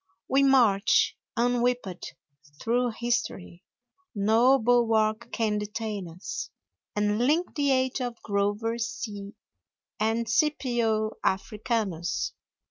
We march, unwhipped, through history No bulwark can detain us And link the age of Grover C. And Scipio Africanus.